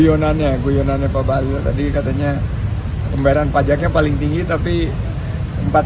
yonannya gu yonannya pak balur tadi katanya pembayaran pajaknya paling tinggi tapi empat